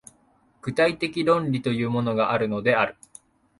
具体的論理というものがあるのである。